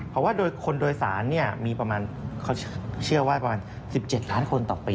เพราะว่าคนโดยสารเชื่อว่ามีประมาณ๑๗ล้านคนต่อปี